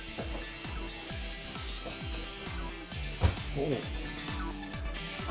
おお。